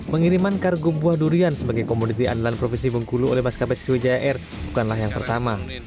mengiriman kargo buah durian sebagai komoditi andalan profesi bengkulu oleh mas kb sriwijaya air bukanlah yang pertama